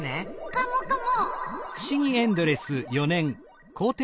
カモカモ！